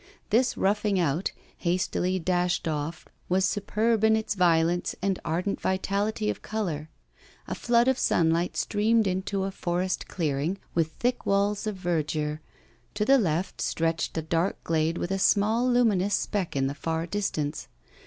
This roughing out, hastily dashed off, was superb in its violence and ardent vitality of colour. A flood of sunlight streamed into a forest clearing, with thick walls of verdure; to the left, stretched a dark glade with a small luminous speck in the far distance.